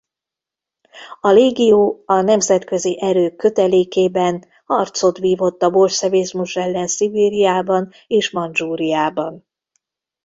A légió a nemzetközi erők kötelékében harcot vívott a bolsevizmus ellen Szibériában és Mandzsúriában.